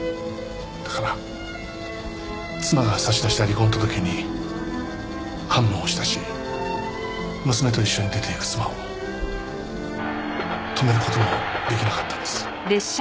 だから妻が差し出した離婚届に判も押したし娘と一緒に出ていく妻を止める事もできなかったんです。